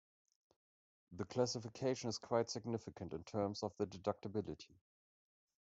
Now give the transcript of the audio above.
The classification is quite significant in terms of the deductibility.